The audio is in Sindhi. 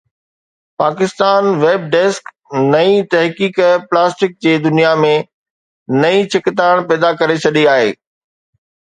پاڪستان ويب ڊيسڪ: نئين تحقيق پلاسٽڪ جي دنيا ۾ نئين ڇڪتاڻ پيدا ڪري ڇڏي آهي